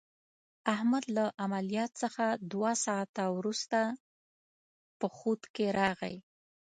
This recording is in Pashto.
احمد له عملیات څخه دوه ساعته ورسته په خود کې راغی.